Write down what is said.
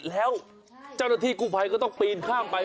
แล้วเจ้าหน้าที่กูภัยก็ต้องปีนข้ามไป